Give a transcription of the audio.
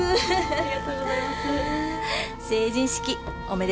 ありがとうございます